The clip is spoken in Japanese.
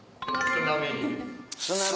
スナメリ！